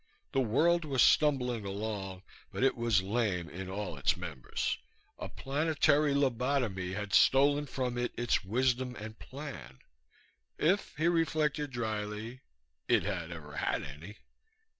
The world was stumbling along, but it was lame in all its members; a planetary lobotomy had stolen from it its wisdom and plan. If, he reflected dryly, it had ever had any.